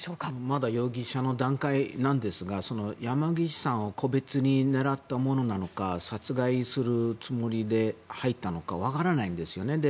まだ容疑者の段階なんですが山岸さんを個別に狙ったものなのか殺害するつもりで入ったのかわからないんですよね。